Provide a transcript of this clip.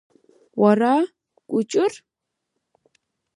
Уара, Кәҷыр?